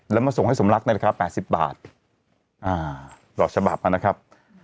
แล้วมาส่งให้สมรักษณ์นะครับแปดสิบบาทอ่าหลอกฉบับมานะครับ